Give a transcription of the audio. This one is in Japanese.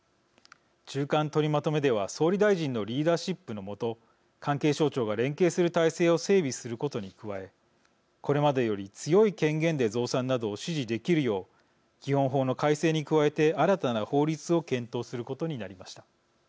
中間取りまとめでは総理大臣のリーダーシップの下関係省庁が連携する体制を整備することに加えこれまでより強い権限で増産などを指示できるよう基本法の改正に加えて新たな法律を検討することになりました。